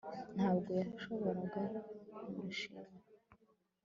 Ntabwo yashoboraga kumushima